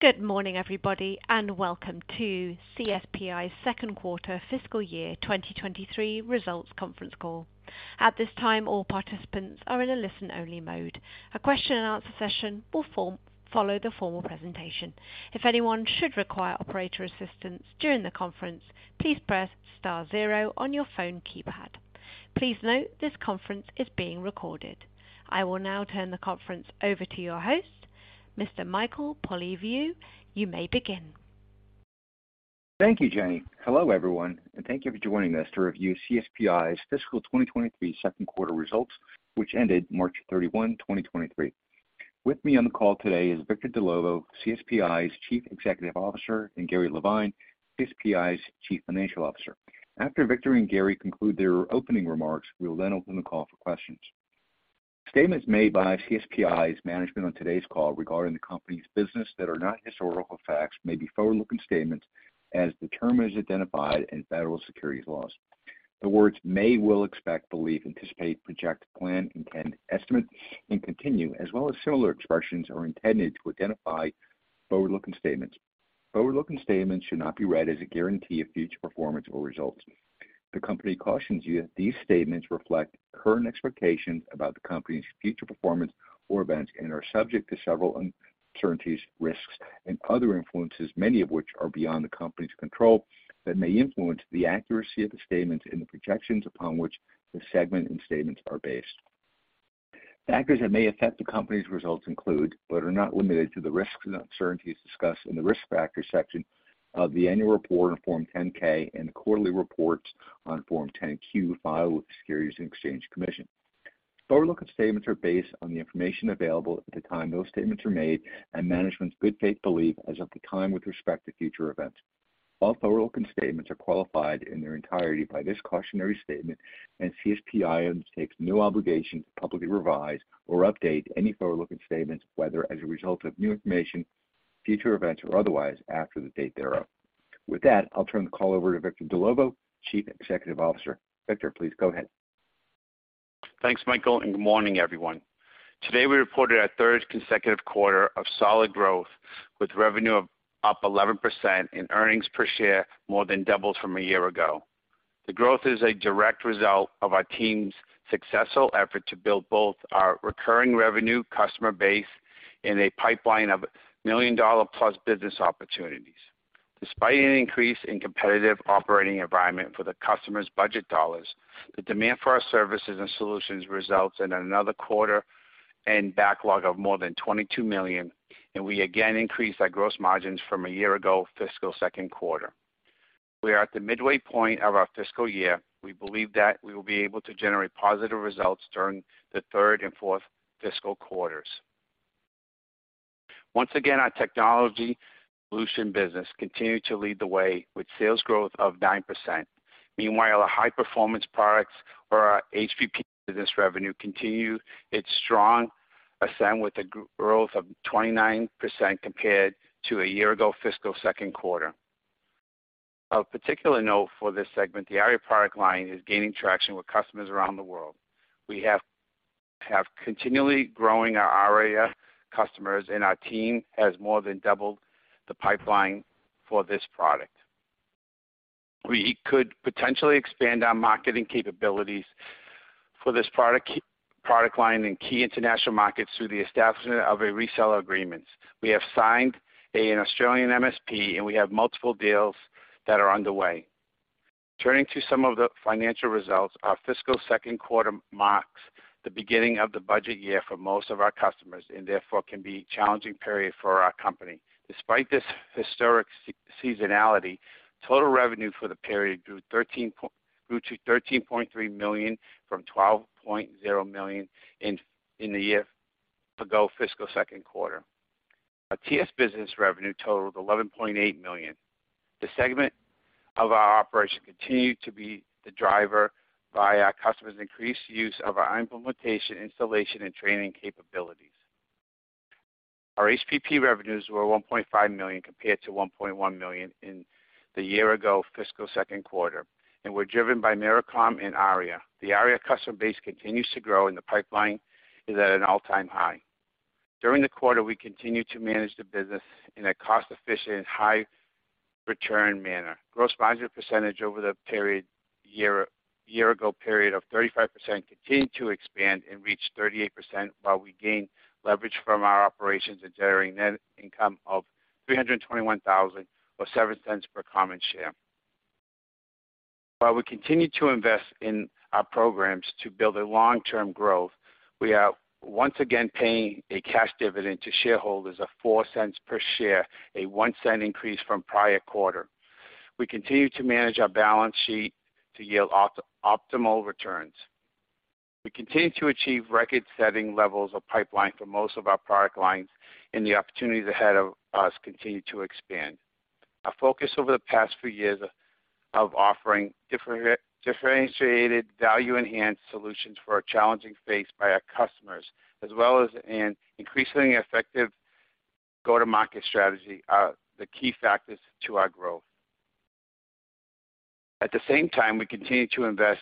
Good morning, everybody, and welcome to CSPi's second quarter fiscal year 2023 results conference call. At this time, all participants are in a listen-only mode. A question-and-answer session will follow the formal presentation. If anyone should require operator assistance during the conference, please press Star zero on your phone keypad. Please note this conference is being recorded. I will now turn the conference over to your host, Mr. Michael Polyviou. You may begin. Thank you, Jenny. Hello, everyone, and thank you for joining us to review CSPi’s fiscal 2023 second quarter results, which ended March 31, 2023. With me on the call today is Victor Dellovo, CSPi's Chief Executive Officer, and Gary Levine, CSPi's Chief Financial Officer. After Victor and Gary conclude their opening remarks, we will then open the call for questions. Statements made by CSPi's management on today's call regarding the company's business that are not historical facts may be forward-looking statements as determined as identified in federal securities laws. The words may, will, expect, believe, anticipate, project, plan, intend, estimate, and continue, as well as similar expressions, are intended to identify forward-looking statements. Forward-looking statements should not be read as a guarantee of future performance or results. The company cautions you that these statements reflect current expectations about the company's future performance or events and are subject to several uncertainties, risks, and other influences, many of which are beyond the company's control that may influence the accuracy of the statements and the projections upon which the segment and statements are based. Factors that may affect the company's results include, but are not limited to, the risks and uncertainties discussed in the Risk Factors section of the annual report on Form 10-K and quarterly reports on Form 10-Q filed with the Securities and Exchange Commission. Forward-looking statements are based on the information available at the time those statements are made and management's good faith belief as of the time with respect to future events. All forward-looking statements are qualified in their entirety by this cautionary statement, and CSPi undertakes no obligation to publicly revise or update any forward-looking statements, whether as a result of new information, future events or otherwise, after the date thereof. With that, I'll turn the call over to Victor Dellovo, Chief Executive Officer. Victor, please go ahead. Thanks, Michael. Good morning, everyone. Today, we reported our third consecutive quarter of solid growth, with revenue up 11% and earnings per share more than doubled from a year ago. The growth is a direct result of our team's successful effort to build both our recurring revenue customer base and a pipeline of million-dollar-plus business opportunities. Despite an increase in competitive operating environment for the customers' budget dollars, the demand for our Services and Solutions results in another quarter and backlog of more than $22 million. We again increased our gross margins from a year ago fiscal second quarter. We are at the midway point of our fiscal year. We believe that we will be able to generate positive results during the third and fourth fiscal quarters. Once again, our Technology Solution business continued to lead the way with sales growth of 9%. Meanwhile, our high-performance products or our HPP business revenue continued its strong ascent with a growth of 29% compared to a year ago fiscal second quarter. Of particular note for this segment, the ARIA product line is gaining traction with customers around the world. We have continually growing our ARIA customers, and our team has more than doubled the pipeline for this product. We could potentially expand our marketing capabilities for this product line in key international markets through the establishment of a reseller agreement. We have signed an Australian MSP, and we have multiple deals that are underway. Turning to some of the financial results, our fiscal second quarter marks the beginning of the budget year for most of our customers and, therefore, can be a challenging period for our company. Despite this historic seasonality, total revenue for the period grew 13 point... grew to $13.3 million from $12.0 million in the year ago fiscal second quarter. Our TS business revenue totaled $11.8 million. The segment of our operation continued to be the driver via customers' increased use of our implementation, installation, and training capabilities. Our HPP revenues were $1.5 million compared to $1.1 million in the year-ago fiscal second quarter and were driven by Myricom and ARIA. The ARIA customer base continues to grow, and the pipeline is at an all-time high. During the quarter, we continued to manage the business in a cost-efficient and high return manner. Gross margin percentage over the year-ago period of 35% continued to expand and reach 38% while we gained leverage from our operations and generating net income of $321,000 or $0.07 per common share. While we continue to invest in our programs to build a long-term growth, we are once again paying a cash dividend to shareholders of $0.04 per share, a $0.01 increase from prior quarter. We continue to manage our balance sheet to yield optimal returns. We continue to achieve record-setting levels of pipeline for most of our product lines. The opportunities ahead of us continue to expand. Our focus over the past few years of offering differentiated value-enhanced solutions for our challenging phase by our customers as well as an increasingly effective go-to-market strategy are the key factors to our growth. At the same time, we continue to invest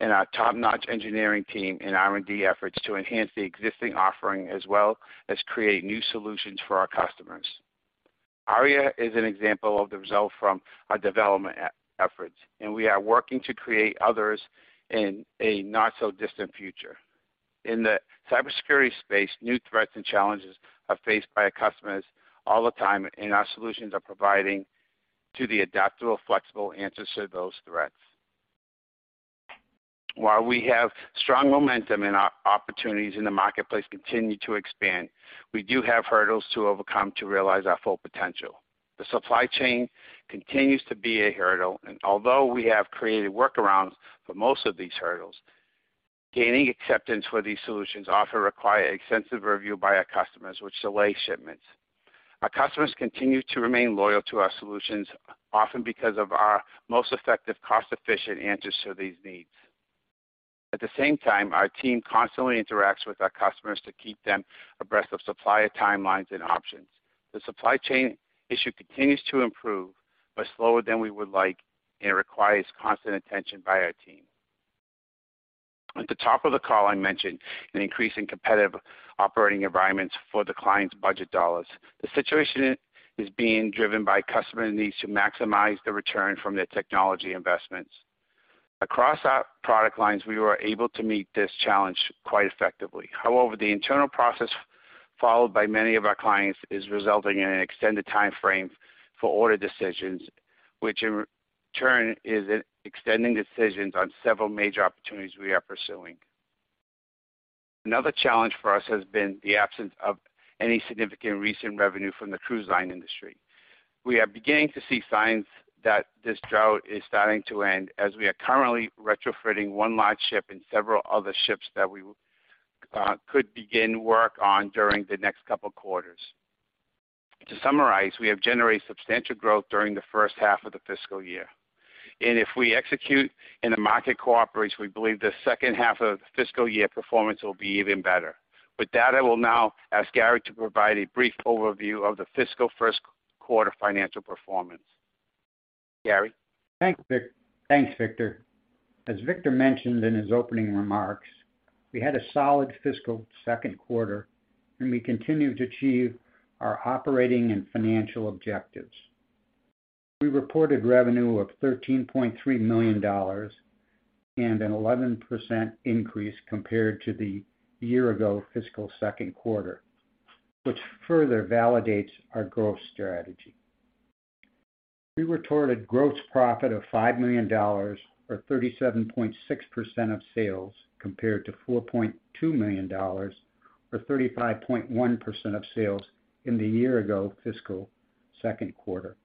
in our top-notch engineering team and R&D efforts to enhance the existing offering, as well as create new solutions for our customers. ARIA is an example of the result from our development efforts. We are working to create others in a not-so-distant future. In the cybersecurity space, new threats and challenges are faced by our customers all the time. Our solutions are providing to the adaptable, flexible answers to those threats. While we have strong momentum and our opportunities in the marketplace continue to expand, we do have hurdles to overcome to realize our full potential. The supply chain continues to be a hurdle. Although we have created workarounds for most of these hurdles, gaining acceptance for these solutions often require extensive review by our customers, which delay shipments. Our customers continue to remain loyal to our solutions, often because of our most effective, cost-efficient answers to these needs. At the same time, our team constantly interacts with our customers to keep them abreast of supplier timelines and options. The supply chain issue continues to improve, but slower than we would like, and it requires constant attention by our team. At the top of the call, I mentioned an increase in competitive operating environments for the client's budget dollars. The situation is being driven by customer needs to maximize the return from their technology investments. Across our product lines, we were able to meet this challenge quite effectively. However, the internal process followed by many of our clients is resulting in an extended timeframe for order decisions, which in return is extending decisions on several major opportunities we are pursuing. Another challenge for us has been the absence of any significant recent revenue from the cruise line industry. We are beginning to see signs that this drought is starting to end, as we are currently retrofitting one large ship and several other ships that we could begin work on during the next couple quarters. To summarize, we have generated substantial growth during the first half of the fiscal year. If we execute and the market cooperates, we believe the second half of fiscal year performance will be even better. With that, I will now ask Gary to provide a brief overview of the fiscal first quarter financial performance. Gary? Thanks, Vic. Thanks, Victor. As Victor mentioned in his opening remarks, we had a solid fiscal second quarter. We continue to achieve our operating and financial objectives. We reported revenue of $13.3 million and an 11% increase compared to the year-ago fiscal second quarter, which further validates our growth strategy. We reported gross profit of $5 million or 37.6% of sales, compared to $4.2 million or 35.1% of sales in the year-ago fiscal second quarter.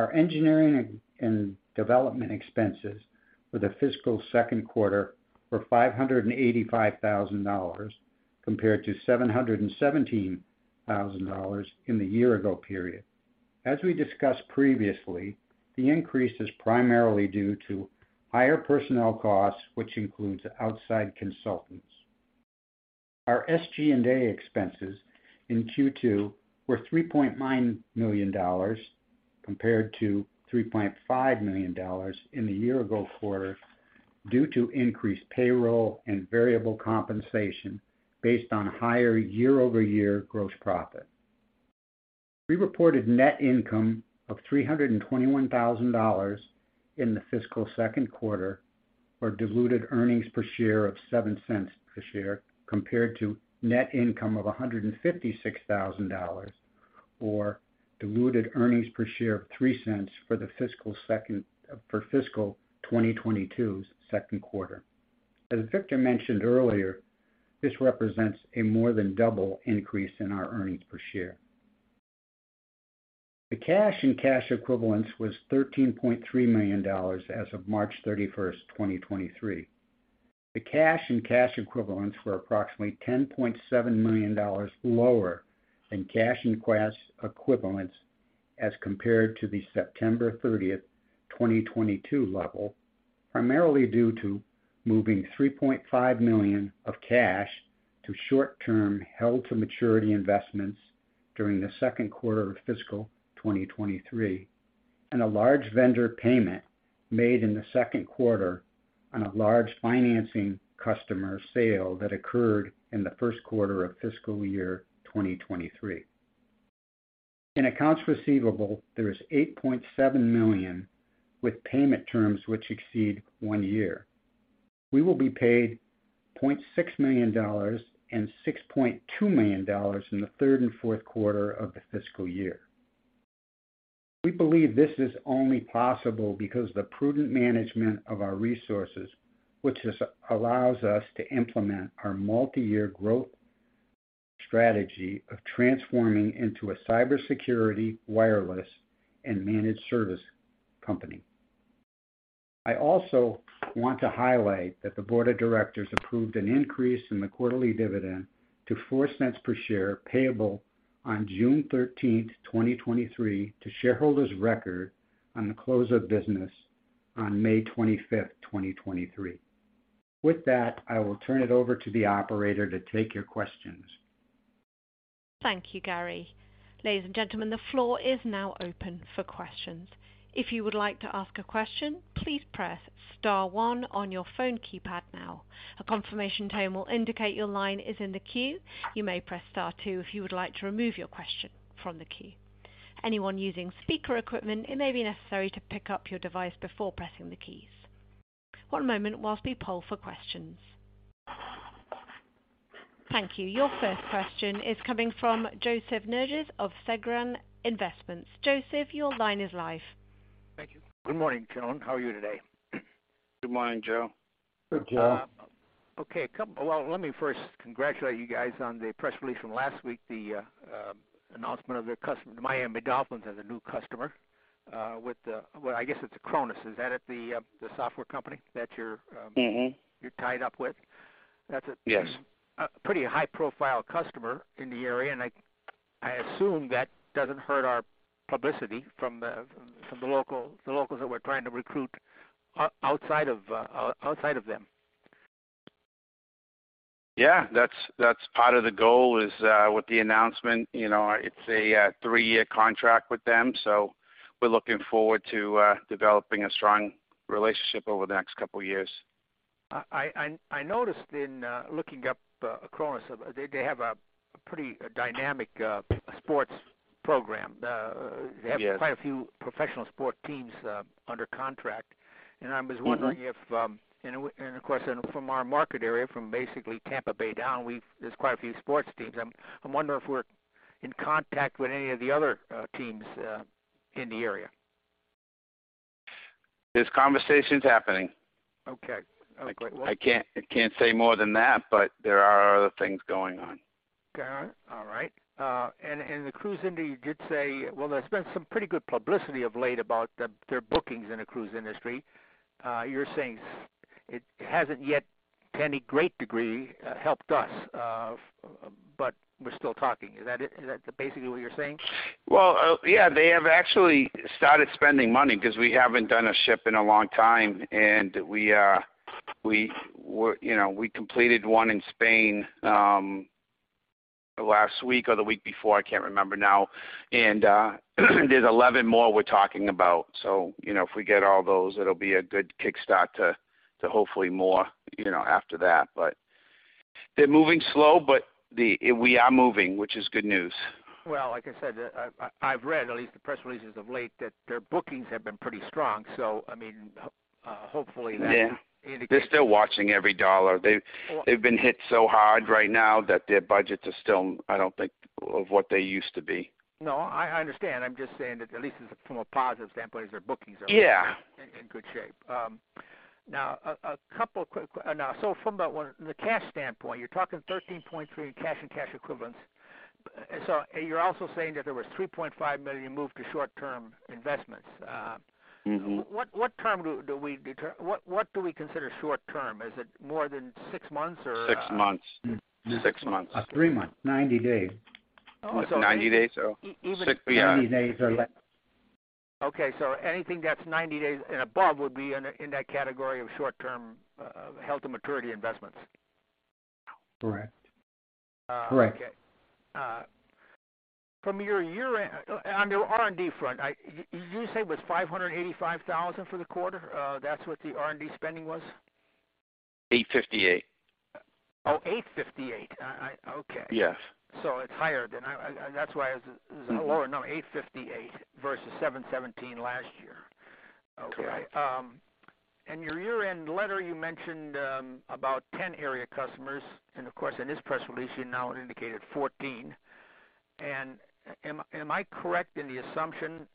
Our Engineering and Development expenses for the fiscal second quarter were $585,000, compared to $717,000 in the year-ago period. As we discussed previously, the increase is primarily due to higher personnel costs, which includes outside consultants. Our SG&A expenses in Q2 were $3.9 million, compared to $3.5 million in the year-ago quarter due to increased payroll and variable compensation based on higher year-over-year gross profit. We reported net income of $321,000 in the fiscal second quarter, or diluted earnings per share of $0.07 per share, compared to net income of $156,000 or diluted earnings per share of $0.03 for fiscal 2022's second quarter. As Victor mentioned earlier, this represents a more than double increase in our earnings per share. The cash and cash equivalents was $13.3 million as of March 31st, 2023. The cash and cash equivalents were approximately $10.7 million lower than cash and cash equivalents as compared to the September thirtieth, 2022 level, primarily due to moving $3.5 million of cash to short-term held-to-maturity investments during the second quarter of fiscal 2023, and a large vendor payment made in the second quarter on a large financing customer sale that occurred in the first quarter of fiscal year 2023. In accounts receivable, there is $8.7 million with payment terms which exceed one year. We will be paid $0.6 million and $6.2 million in the third and fourth quarter of the fiscal year. We believe this is only possible because the prudent management of our resources, which allows us to implement our multi-year growth strategy of transforming into a cybersecurity, wireless, and managed service company. I also want to highlight that the board of directors approved an increase in the quarterly dividend to $0.04 per share, payable on June 13th, 2023 to shareholders record on the close of business on May 25th, 2023. With that, I will turn it over to the operator to take your questions. Thank you, Gary. Ladies and gentlemen, the floor is now open for questions. If you would like to ask a question, please press Star one on your phone keypad now. A confirmation tone will indicate your line is in the queue. You may press Star two if you would like to remove your question from the queue. Anyone using speaker equipment, it may be necessary to pick up your device before pressing the keys. One moment whilst we poll for questions. Thank you. Your first question is coming from Joseph Nerges of Segren Investments. Joseph, your line is live. Thank you. Good morning, gentlemen. How are you today? Good morning, Joe. Good, Joe. Okay. Well, let me first congratulate you guys on the press release from last week, the announcement of the Miami Dolphins as a new customer, with the, well, I guess it's Acronis. Is that it, the software company that you're? Mm-hmm you're tied up with? Yes a pretty high profile customer in the area. I assume that doesn't hurt our publicity from the local, the locals that we're trying to recruit outside of them. Yeah. That's part of the goal is with the announcement. You know, it's a three-year contract with them, we're looking forward to developing a strong relationship over the next couple years. I noticed in looking up Acronis, they have a pretty dynamic sports program. Yes they have quite a few professional sports teams, under contract. Mm-hmm if, of course from our market area, from basically Tampa Bay down, there's quite a few sports teams. I'm wondering if we're in contact with any of the other teams in the area. There's conversations happening. Okay. I can't say more than that, there are other things going on. All right. The cruise industry, there's been some pretty good publicity of late about the, their bookings in the cruise industry. You're saying it hasn't yet, to any great degree, helped us, but we're still talking. Is that it? Is that basically what you're saying? Well, yeah, they have actually started spending money 'cause we haven't done a ship in a long time. We, you know, we completed one in Spain last week or the week before, I can't remember now. There's 11 more we're talking about. You know, if we get all those, it'll be a good kickstart to hopefully more, you know, after that. They're moving slow, but we are moving, which is good news. Well, like I said, I've read at least the press releases of late, that their bookings have been pretty strong. I mean, hopefully that indicates... They're still watching every dollar. They've been hit so hard right now that their budgets are still, I don't think, of what they used to be. No, I understand. I'm just saying that at least from a positive standpoint, their bookings are- Yeah in good shape. Now, from the cash standpoint, you're talking $13.3 cash and cash equivalents. You're also saying that there was $3.5 million you moved to short-term investments. Mm-hmm What do we consider short-term? Is it more than six months or? Six months. Six months. three months. 90 days. Oh. It's 90 days. 6:00 P.M. 90 days or less. Okay. Anything that's 90 days and above would be in the, in that category of short-term, held-to-maturity investments. Correct. Correct. Okay. From your year end, on your R&D front, did you say it was $585,000 for the quarter? That's what the R&D spending was? $858. Oh, $858. Okay. Yes. It's higher than I. That's why I. Mm-hmm... lower. No, $858 versus $717 last year. Correct. Okay. In your year-end letter, you mentioned about 10 ARIA customers, and of course in this press release you now have indicated 14. Am I correct in the assumption?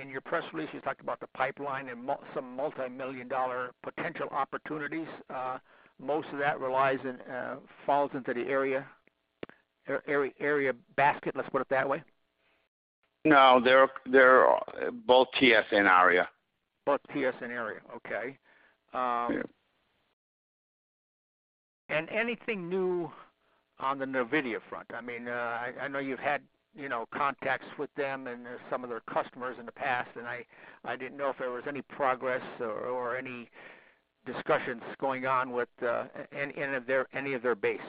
In your press release, you talked about the pipeline and some multimillion dollar potential opportunities. Most of that relies in, falls into the ARIA basket, let's put it that way. No, they're both TS and ARIA. Both TS and ARIA. Okay. Yeah. Anything new on the NVIDIA front? I mean, I know you've had, you know, contacts with them and some of their customers in the past, and I didn't know if there was any progress or any discussions going on with any of their base.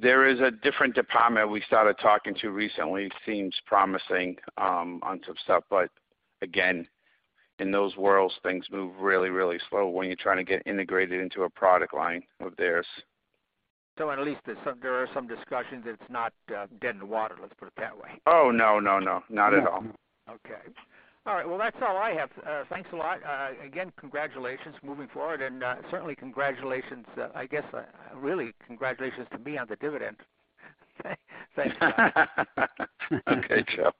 There is a different department we started talking to recently. Seems promising, on some stuff, but again, in those worlds, things move really, really slow when you're trying to get integrated into a product line of theirs. At least there are some discussions. It's not dead in the water, let's put it that way. Oh, no, no. Not at all. Okay. All right. Well, that's all I have. Thanks a lot. Again, congratulations moving forward and certainly congratulations, I guess really congratulations to me on the dividend. Thanks a lot. Okay, Joe.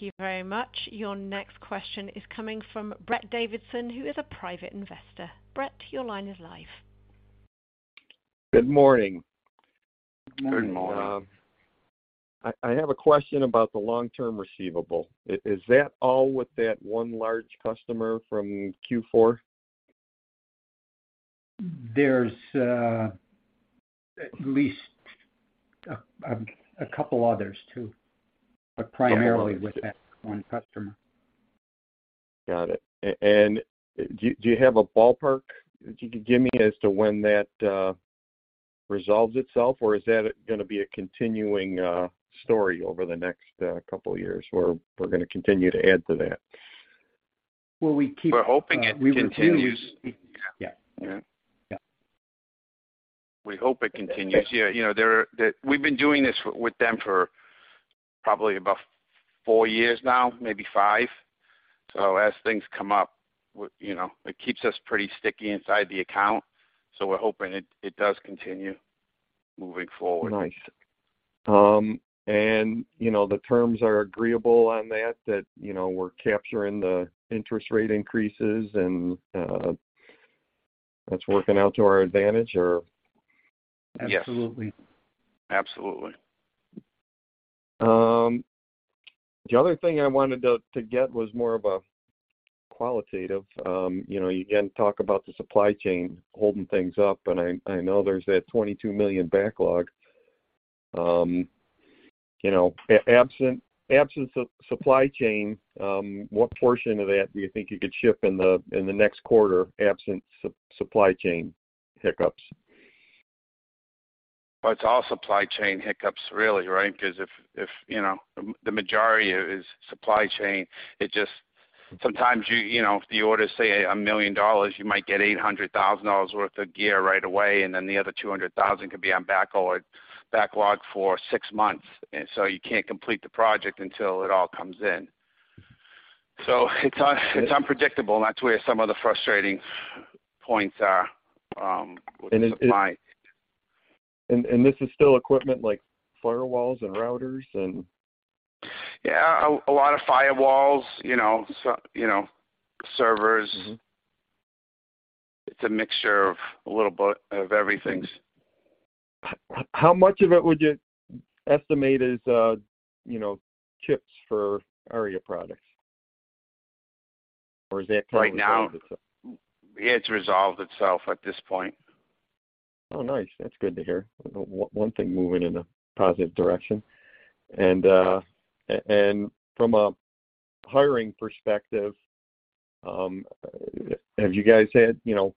Thank you very much. Your next question is coming from Brett Davidson, who is a Private Investor. Brett, your line is live. Good morning. Good morning. I have a question about the long-term receivable. Is that all with that one large customer from Q4? There's, at least a couple others too, but primarily with that one customer. Got it. Do you have a ballpark that you could give me as to when that resolves itself? Or is that gonna be a continuing story over the next couple years where we're gonna continue to add to that? Well, we. We're hoping it continues. Yeah. Yeah. Yeah. We hope it continues. Yeah, you know, We've been doing this with them for probably about four years now, maybe five. As things come up, you know, it keeps us pretty sticky inside the account, so we're hoping it does continue moving forward. Nice. You know, the terms are agreeable on that, you know, we're capturing the interest rate increases and that's working out to our advantage or? Yes. Absolutely. Absolutely. The other thing I wanted to get was more of a qualitative. You know, you again talk about the supply chain holding things up, and I know there's that $22 million backlog. You know, absent supply chain, what portion of that do you think you could ship in the next quarter absent supply chain hiccups? Well, it's all supply chain hiccups really, right? If, you know, the majority is supply chain, sometimes you know, if the order is say $1 million, you might get $800,000 worth of gear right away, and then the other $200,000 could be on backorder, backlog for six months. You can't complete the project until it all comes in. It's unpredictable, and that's where some of the frustrating points are with supply. This is still equipment like firewalls and routers and? Yeah. A lot of firewalls, you know, you know, servers. It's a mixture of a little bit of everything. How much of it would you estimate is, you know, chips for ARIA products? Or is that kind of? Right now, it's resolved itself at this point. Oh, nice. That's good to hear. One thing moving in a positive direction. From a hiring perspective, have you guys had, you know,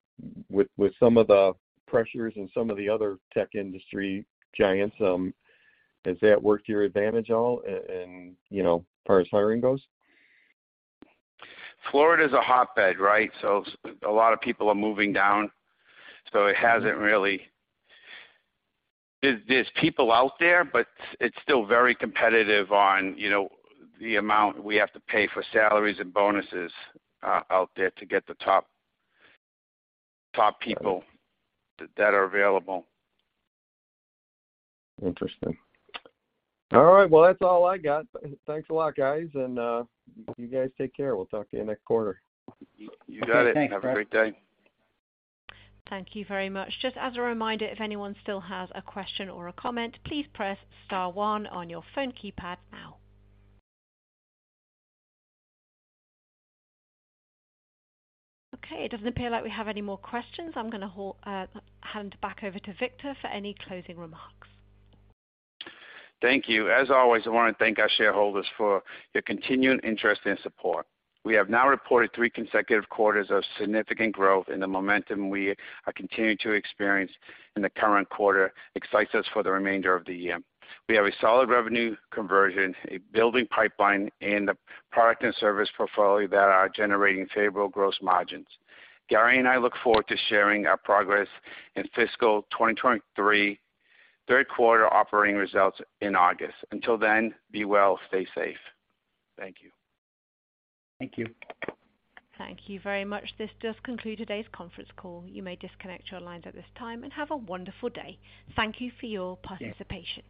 with some of the pressures and some of the other tech industry giants, has that worked to your advantage at all, and, you know, as far as hiring goes? Florida's a hotbed, right? A lot of people are moving down, it hasn't really. There's people out there, but it's still very competitive on, you know, the amount we have to pay for salaries and bonuses out there to get the top people that are available. Interesting. All right. Well, that's all I got. Thanks a lot, guys. You guys take care. We'll talk to you next quarter. You got it. Okay. Thanks, Brett. Have a great day. Thank you very much. Just as a reminder, if anyone still has a question or a comment, please press Star one on your phone keypad now. Okay. It doesn't appear like we have any more questions. I'm gonna hand back over to Victor for any closing remarks. Thank you. As always, I wanna thank our shareholders for your continued interest and support. We have now reported three consecutive quarters of significant growth. The momentum we are continuing to experience in the current quarter excites us for the remainder of the year. We have a solid revenue conversion, a building pipeline, and a product and service portfolio that are generating favorable gross margins. Gary and I look forward to sharing our progress in fiscal 2023 third quarter operating results in August. Until then, be well, stay safe. Thank you. Thank you. Thank you very much. This does conclude today's conference call. You may disconnect your lines at this time, and have a wonderful day. Thank you for your participation.